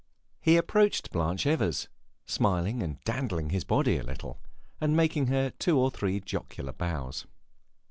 He approached Blanche Evers, smiling and dandling his body a little, and making her two or three jocular bows.